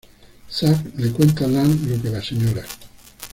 Zach le cuenta a Lane lo que la Sra.